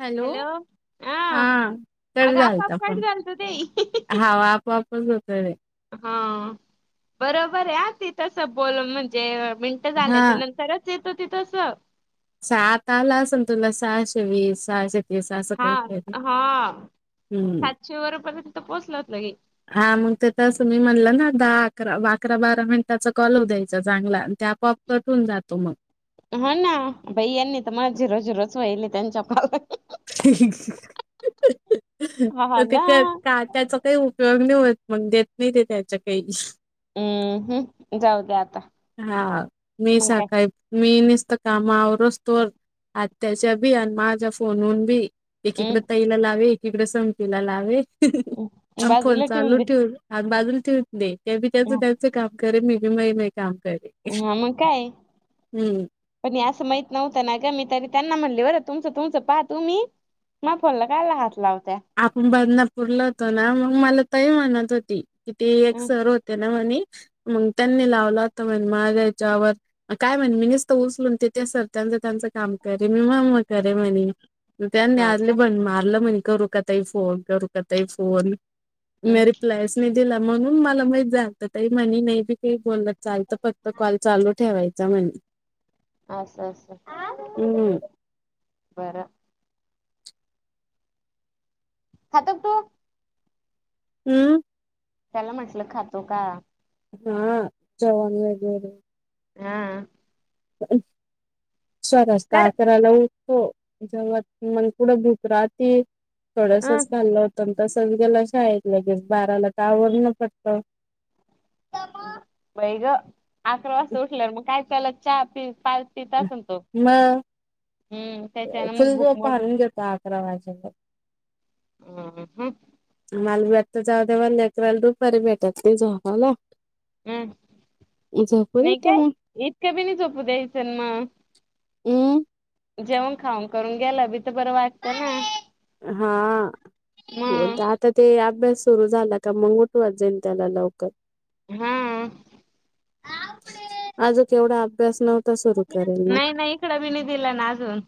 Hello, हा cut अगं आपोआप झालता कट फोन. झालत ते हाव आप वापस जातो हा. बरोबर आहे हा ती तस बोलल म्हणजे मिनट हा झाल्याच्या नंतरच येतो तिथ तसं. सात आला असल तुला सहाशे वीस, सहाशे वीस अस हा काही तर. हा हम्म, सातशे वर पर्यंत पोहोचलात लगे हा मग ते तरं अस मी म्हणलं ना दा अकरा अकरा बारा मिनिटाचा कॉल होऊ द्यायचा चांगला. ते आपोआप कट होऊन जातो मग. बई आणि तर माझी रोजी रोजच व्हायलय त्यांच्या कॉलला. हा तर ते ना का का त्याचा काही उपयोग नाही होत मग देत नाही ते त्याच्या काही. हम्म हम् जाऊ दे आता हा मी मग काय सकाळी मी नि काम आवरूस तोवर. आत्याच्या बी आणि माझ्या फोनून बी. एकीकडे ताईला लावे एकीकडे समतीला लावे. हम् आम् फोन बाजूला चालू दे ठेवून आ बाजून ठेव दे त्या बी त्याच त्याचं काम करेन मी काय नाही बाई. हा मग काय. हम्म पण हे असं माहित नव्हतं ना गं मी तरी त्यांना म्हणलं बरं तुमचं तुमचं पाहा तुम्ही, माया फोनला कायला हात लाव आपण बदलापूरला होतो ना, मग मला ताई म्हणत होती कि ते एक सर होते ना म्हने. मग त्यांनी लावला होता म्हणे माझ्या ह्याच्यावर आणि काय माहित मी निसत उचलून ते सर त्यांच त्यांच काम करेलं ना मग करे म्हणे. म त्यांनी हा का? आले पण मारलं म्हणे करू का ताई फोन, करू का ताई फोन हम् मी रिप्लायचं नाही दिला म्हणून मला माहित झालत ताई म्हणी नाही बी काही बोलला चालत फक्त कॉल चालू ठेवाय चा म्हणे. अस अस हम्म बर. खातो का तु? हम्म. त्याला म्हटलं खातो का? हा जेवण वैगरे हा. स्वरस्ता कर अकराला ऊठ हो जेव्हा मग पुुढं भुक राती, अ थोडसच खाल्लं होतं तसंच गेला शाळेत लगेच बाराला तर आवरलं पटकन. बाई ग अकरा वाजता उठल्या मग काय त्याला चहा पि पाज पितासणतो. मग फुल झोप हाणून घेतो आकरवाजेपर्यंत. हम्म हम्म हम्म. तर जाऊ दे म लेकराला दुपारी भेटत नाही झोपायला. हम्म झोपू नाही देते काय? मग इतकं बी नाही झोपू द्यायच ना मग. हम्म? जेवण खाऊन करून गेलं बी तर बरं वाटतं ना. हा मग बोलता आता ते अभ्यास सुरू झाला का त्यामुळे उठवत जाईल त्याला लवकर हा. आज केवढं अभ्यास नव्ह नाही नाही इकडं बी नाही दिला ना अजून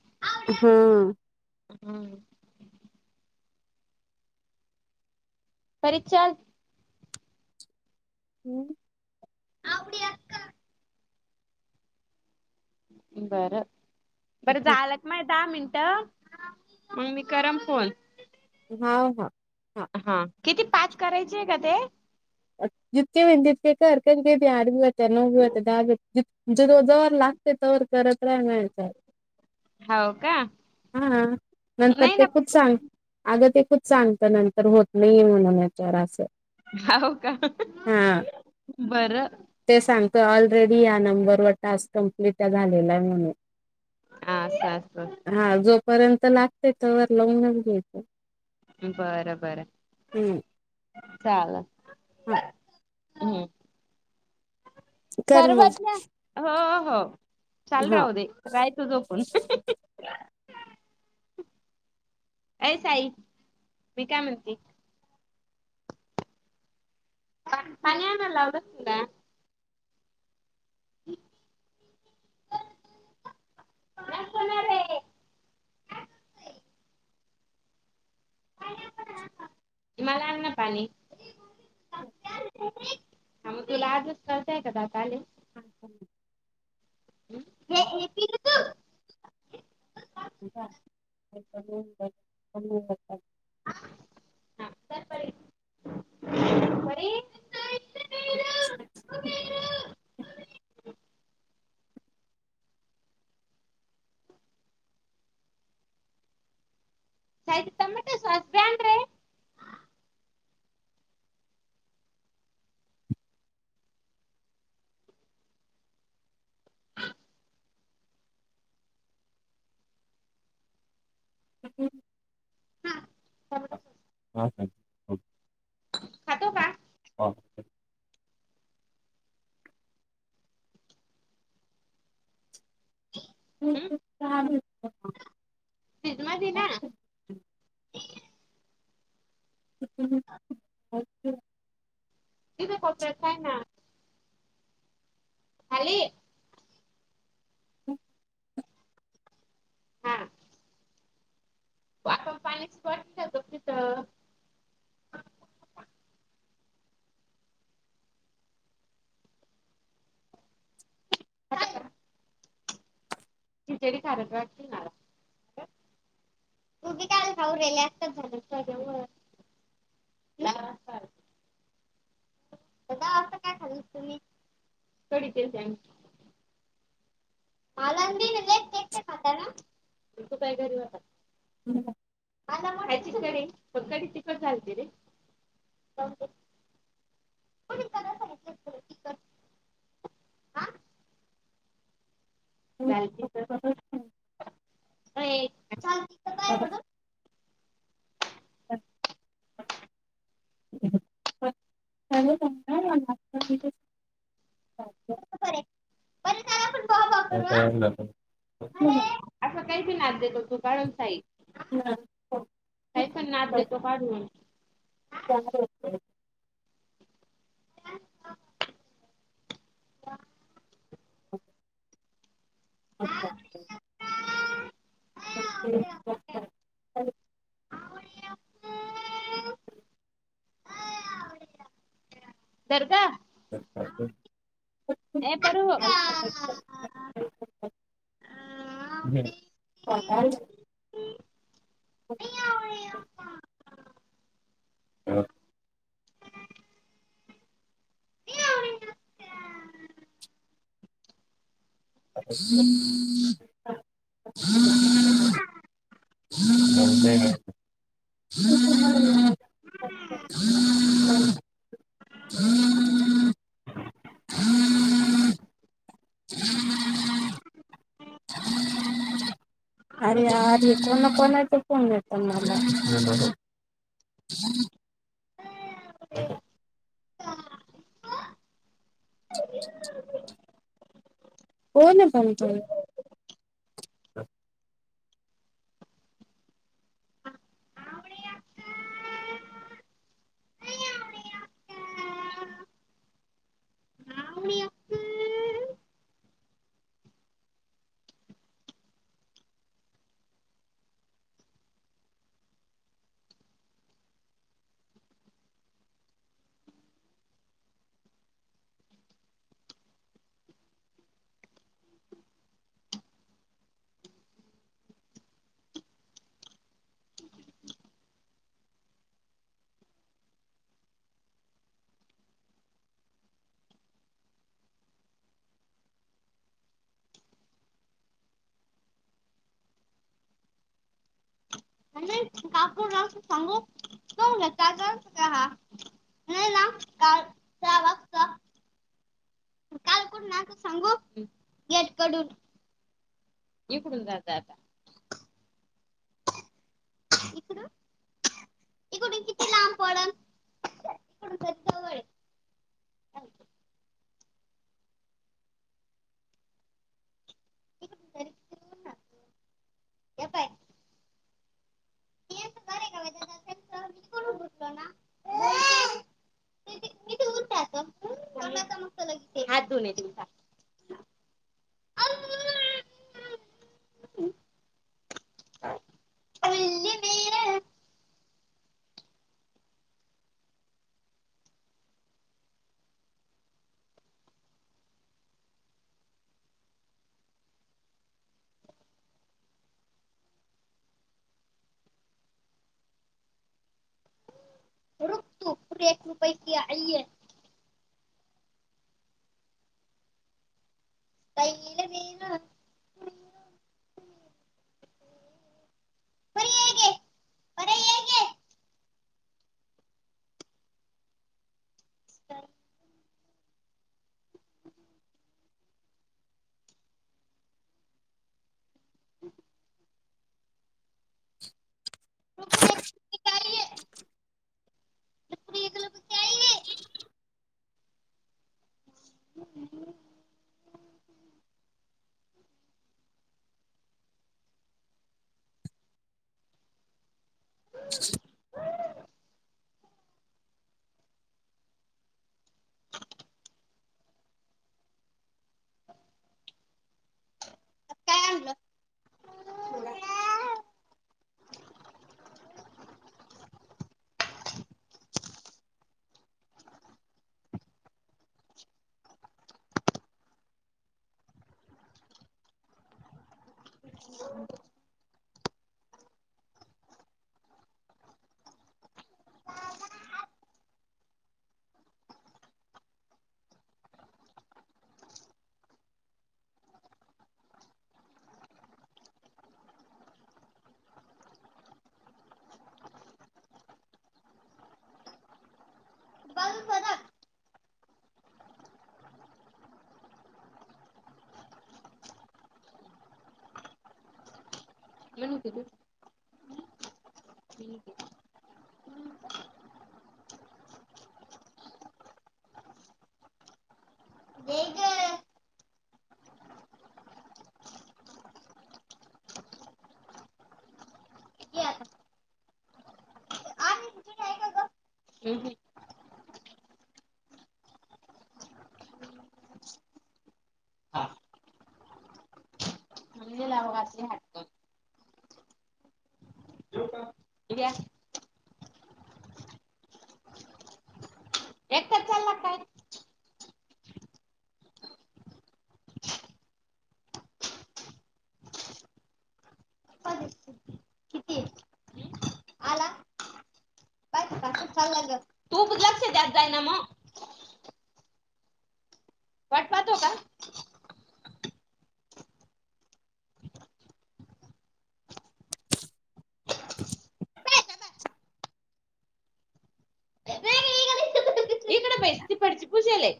हा हम्म. परी चल हम्म. अपडी अका [unintelligible] बरं बरं झालं का नाही दहा मिनटं? मग मी करन फोन हा हा. हा किती पाच करायचे आहे का ते? जितके बंदितत का करक घ यार् भी बत नो भीत दहा [unintelligible] म्हणजे तो जोवर लागते तोवर करत राहायचं हो का हा नंतर नाही ना ते खूप सांग अगं ते खूप सांगता नंतर होत नाहीे म्हणून याच्यावर असं होव का? हा बरं ते सांगत ऑलरेडी या नंबरवर टास्क कंप्लीट झालेला आहे म्हणून अ असं पर्यंत लागते. तोवर लावून घ्यायचं हम्म. चालल हा. हम्म. कर मग सर्वांन्या हो हो चाल हा राहू दे रायचं झोपून [inaudible] ये साई मी काय म्हणते [unintelligible] [unintelligible] होणार आहे. मला आन ना पाणी. हम्म. ह मग तुला आजच कळतय का दात आले. [unintelligible] हे [unintelligible] [unintelligible] [unintelligible] [inaudible] [unintelligible] हा खातो का [unintelligible] [inaudible] [inaudible] [unintelligible] मधी ना? [inaudible] [inaudible] इथे कोपऱ्यात पाय ना. खाली [inaudible] हा पाणीच [unintelligible] खिचडी खारट वाटतीय मला, का खाऊन राहिली. आता असं काय खाल्ल तुम्ही कडी केलती आम्ही, माला नई दिलं एकटं एकटं खाता ना तू काही घरी होता का. [unintelligible] खायची का कढी पण कढी तिखट झालती रे. कोणी करला सांगितली होती तुला तिखट आ झालती तर ऐ झा. हा [unintelligible] असं काही भी देतो तू काढून खाई. [unintelligible] काही पण ना देतो काढून अरे धर ग ये पेरू अक्का [unintelligible] कोना कोणाचा फोन येता मला. कोण चा येतोय आणि कापूर लावू सांगू नाही ना काल सहा वाजता. कुठून आलतो सांगू गेट कडून इकडून जाता आता थांब पडलं हात धुवून ये जा एक रुपये [unintelligible] [unintelligible] [unintelligible] मनुके देऊ [unintelligible] दे गं हम् हम हा. [unintelligible] या एकटच चालला का काय तू लक्ष द्यात जायना मग वाट पाहतो का इकडे बैस तिकडची पुजेल आहे